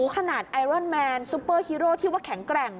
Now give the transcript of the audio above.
ขนาดไอรอนแมนซุปเปอร์ฮีโร่ที่ว่าแข็งแกร่ง